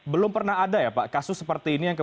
belum pernah ada ya pak kasus seperti ini